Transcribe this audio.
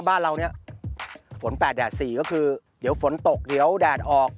บ้านเราเนี่ยฝน๘แดด๔ก็คือเดี๋ยวฝนตกเดี๋ยวแดดออก